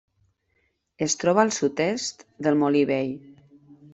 Es troba al sud-est del Molí Vell.